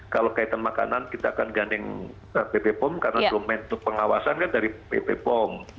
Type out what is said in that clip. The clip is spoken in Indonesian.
kalau kaitan makanan kita akan gandeng bp pom karena domain pengawasan kan dari bp pom